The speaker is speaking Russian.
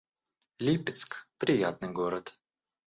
Липецк — приятный город